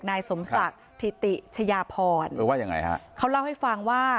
นายสมศักดิ์ถิติชยพรว่าอย่างไรครับเขาเล่าให้ฟังว่า